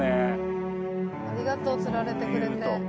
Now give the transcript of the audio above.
ありがとう釣られてくれて。